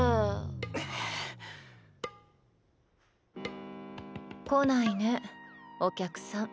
ボーン来ないねお客さん。